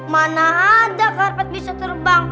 mana ada karpet bisa terbang